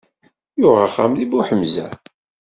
Yuɣ axxam deg Buḥemza?